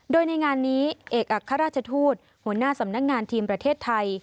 โดยในงานนี้เอกอัครราชทูตหัวหน้าสำนักงานทีมประเทศไทย